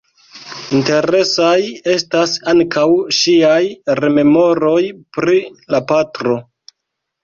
Interesaj estas ankaŭ ŝiaj rememoroj pri la patro.